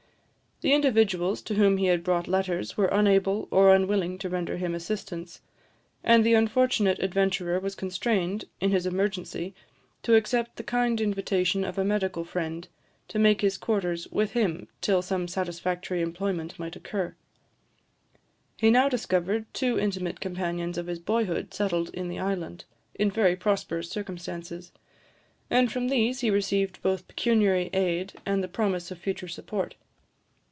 The individuals to whom he had brought letters were unable or unwilling to render him assistance, and the unfortunate adventurer was constrained, in his emergency, to accept the kind invitation of a medical friend, to make his quarters with him till some satisfactory employment might occur. He now discovered two intimate companions of his boyhood settled in the island, in very prosperous circumstances, and from these he received both pecuniary aid and the promise of future support.